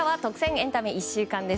エンタメ１週間です。